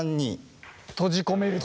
閉じ込めると？